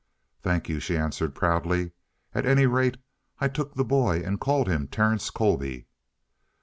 "Thank you," she answered proudly. "At any rate, I took the boy and called him Terence Colby."